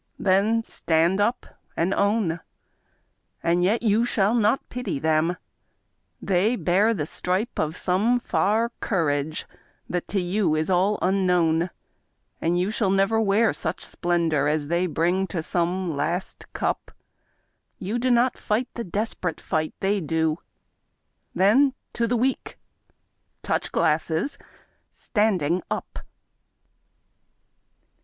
Then stand up and own! And yet you shall not pity them ! They bear The stripe of some far courage that to you Is all unknown — and you shall never wear Such splendor as they bring to some last eup ; You do not fight the desperate fight they do ; Then — ^to the Weak ! Touch glasses ! standing up